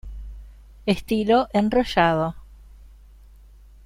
Estilo enrollado.